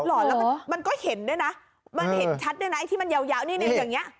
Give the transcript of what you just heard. หรอแล้วมันก็เห็นด้วยนะมันเห็นชัดด้วยนะไอ้ที่มันยาวนี่อย่างนี้